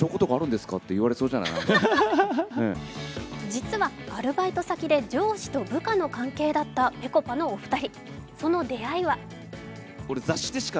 実はアルバイト先で上司と部下の関係だったぺこぱのお二人。